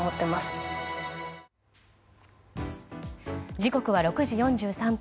時刻は午後６時４３分。